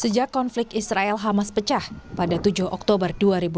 sejak konflik israel hamas pecah pada tujuh oktober dua ribu dua puluh